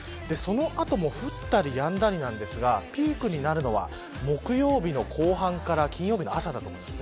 その後も降ったりやんだりなんですがピークになるのは木曜日の後半から金曜日の朝だと思います。